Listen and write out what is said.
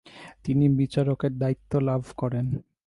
তিনি বিচারকের দায়িত্ব লাভ করেন।